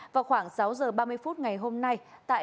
vào khoảng sáu giờ ba mươi phút ngày hôm nay tại